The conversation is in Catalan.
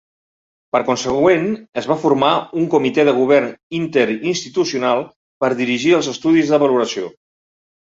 Per consegüent, es va formar un comitè de govern interinstitucional per dirigir els estudis de valoració.